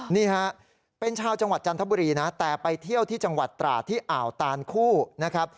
นี่ฮะเป็นชาวจังหวัดจันทบุรีนะแต่ไปเที่ยวที่จังหวัดตราดที่อ่าวตานคู่นะครับ